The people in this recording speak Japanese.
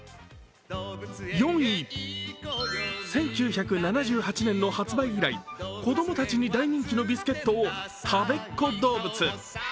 ４位、１９７８年の発売以来、子供たちに大人気のビスケットたべっ子どうぶつ。